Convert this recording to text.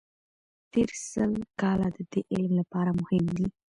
تېر سل کاله د دې علم لپاره مهم دي.